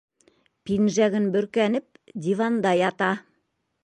Пинжәген бөркәнеп, диванда ята.